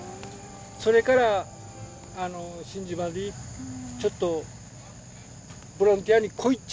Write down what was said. それから新島にちょっとボランティアに来いち。